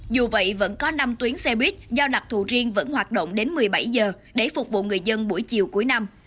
dù vậy vẫn có năm tuyến xe buýt do đặc thù riêng vẫn hoạt động đến một mươi bảy giờ để phục vụ người dân buổi chiều cuối năm